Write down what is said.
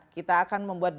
kita akan membuat